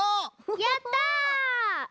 やった！